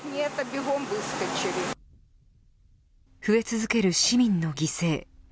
増え続ける市民の犠牲。